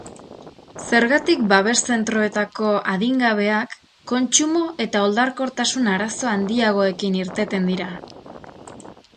Zergatik babes zentroetako adingabeak kontsumo eta oldarkortasun arazo handiagoekin irteten dira?